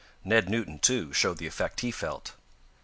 Ned Newton, too, showed the effect he felt.